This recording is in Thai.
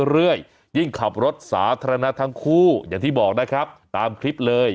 ยิ่งขับรถสาธารณะทั้งคู่อย่างที่บอกนะครับตามคลิปเลย